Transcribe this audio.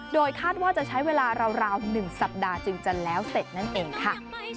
โดยคาดว่าจะใช้เวลาราว๑สัปดาห์จึงจะแล้วเสร็จนั่นเองค่ะ